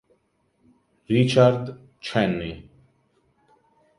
Richard Chaney